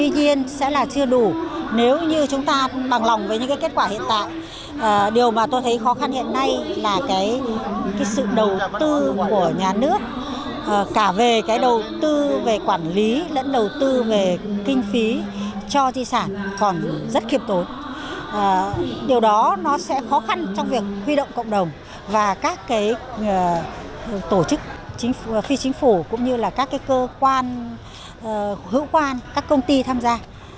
điều đó sẽ khó khăn trong việc huy động cộng đồng và các tổ chức phi chính phủ cũng như các cơ quan hữu quan các công ty tham gia